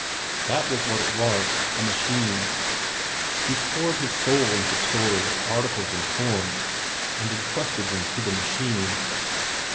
That was what it was, a machine. He poured his soul into stories, articles, and poems, and intrusted them to the machine.